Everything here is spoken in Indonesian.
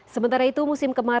sementara itu musim kemarin